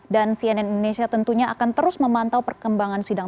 cnn indonesia tentunya akan terus memantau perkembangan sidang